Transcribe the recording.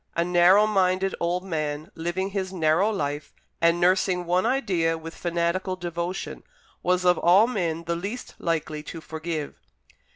A narrow minded old man, living his narrow life, and nursing one idea with fanatical devotion, was of all men the least likely to forgive.